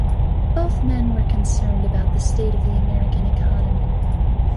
Both men were concerned about the state of the American economy.